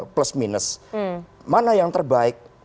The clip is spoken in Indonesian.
plus minus mana yang terbaik